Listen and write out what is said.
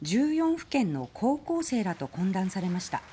府県の高校生らと懇談されました。